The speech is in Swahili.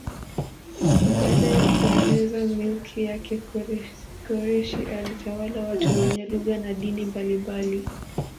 Baada ya kueneza milki yake Koreshi alitawala watu wenye lugha na dini mbalimbali.